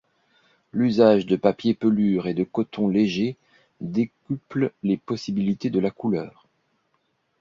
L’usage de papier pelure et de coton léger décuple les possibilités de la couleur.